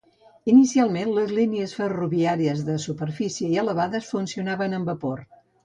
Inicialment, les línies ferroviàries de superfície i elevades funcionaven amb vapor.